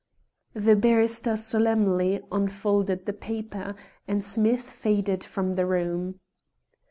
The barrister solemnly unfolded the paper, and Smith faded from the room.